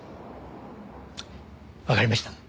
わかりました。